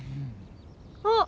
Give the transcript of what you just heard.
あっ！